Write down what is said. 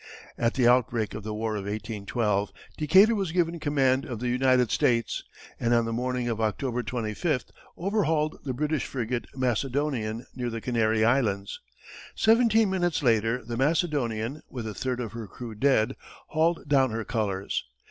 At the outbreak of the war of 1812, Decatur was given command of the United States, and on the morning of October 25, overhauled the British frigate Macedonian near the Canary Islands. Seventeen minutes later, the Macedonian, with a third of her crew dead, hauled down her colors.